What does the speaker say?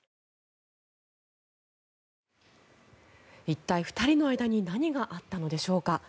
一体、２人の間に何があったのでしょうか。